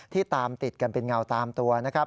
ตามติดกันเป็นเงาตามตัวนะครับ